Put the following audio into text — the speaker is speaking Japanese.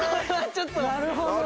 なるほどね！